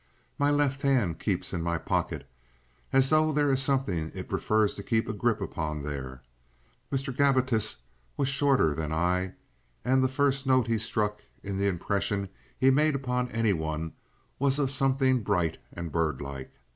My left hand keeps in my pocket as though there is something it prefers to keep a grip upon there. Mr. Gabbitas was shorter than I, and the first note he struck in the impression he made upon any one was of something bright and birdlike.